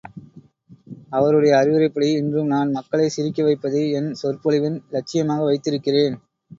அவருடைய அறிவுரைப்படி இன்றும் நான் மக்களைச் சிரிக்க வைப்பதே என் சொற்பொழிவின் லட்சியமாக வைத்திருக்கிறேன்.